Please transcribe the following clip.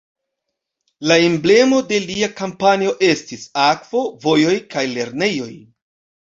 La emblemo de lia kampanjo estis: "akvo, vojoj kaj lernejoj".